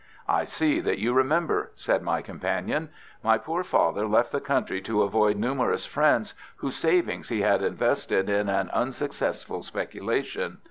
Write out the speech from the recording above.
"I see that you remember," said my companion. "My poor father left the country to avoid numerous friends, whose savings he had invested in an unsuccessful speculation.